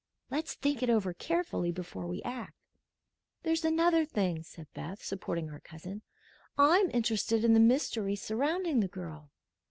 Let's think it over carefully before we act." "There's another thing," said Beth, supporting her cousin. "I'm interested in the mystery surrounding the girl.